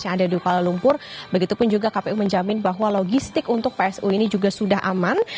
yang ada di kuala lumpur begitu pun juga kpu menjamin bahwa logistik untuk psu ini juga sudah aman